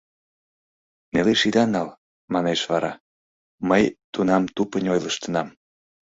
Нелеш ида нал, — манеш вара, — мый тунам тупынь ойлыштынам.